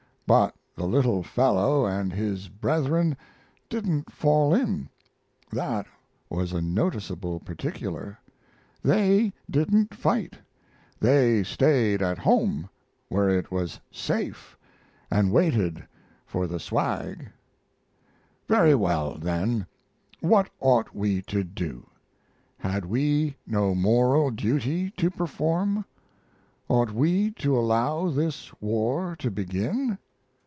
But the little fellow and his brethren didn't fall in that was a noticeable particular. They didn't fight; they stayed at home, where it was safe, and waited for the swag. Very well, then what ought we to do? Had we no moral duty to perform? Ought we to allow this war to begin?